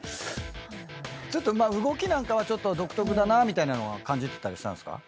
ちょっとまあ動きなんかは独特だなみたいなのは感じてたりしたんですか？